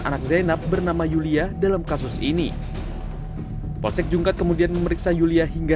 anak zainab bernama yulia dalam kasus ini polsek jungkat kemudian memeriksa yulia hingga